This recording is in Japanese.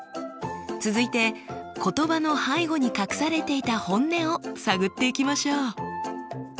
続いて言葉の背後に隠されていた本音を探っていきましょう。